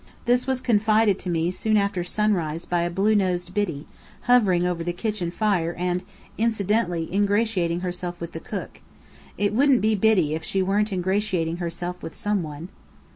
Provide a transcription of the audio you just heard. This was confided to me soon after sunrise by a blue nosed Biddy, hovering over the kitchen fire and incidentally ingratiating herself with the cook. It wouldn't be Biddy if she weren't ingratiating herself with some one!